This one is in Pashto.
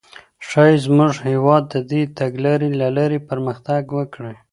ښايي زموږ هیواد د دې تګلاري له لاري پرمختګ وکړي.